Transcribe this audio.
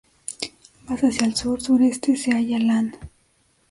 Más hacia el sur-sureste se halla Lane.